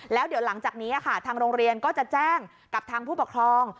แล้วเดี๋ยวหลังจากนี้ค่ะทางโรงเรียนก็จะแจ้งกับทางผู้ปกครอง